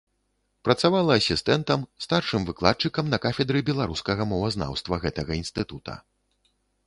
Працавала асістэнтам, старшым выкладчыкам на кафедры беларускага мовазнаўства гэтага інстытута.